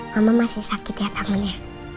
kamu masih sakit ya tangannya